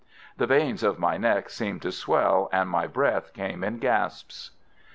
The veins of my neck seemed to swell, and my breath came in gasps.